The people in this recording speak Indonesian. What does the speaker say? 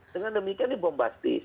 dengan demikian dibombastis